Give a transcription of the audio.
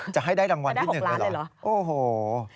จะให้ได้รางวัลที่๑เลยเหรอโอ้โหจะได้๖ล้านเลยเหรอ